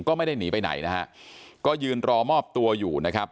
ก็ไม่ได้หนีไปไหนนะฮะก็ยืนรอมอบตัวอยู่นะครับ